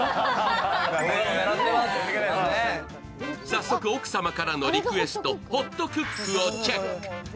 早速、奥様からのリクエスト、ホットクックをチェック。